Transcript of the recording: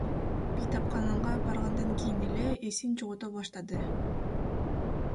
Бейтапканага баргандан кийин эле эсин жогото баштады.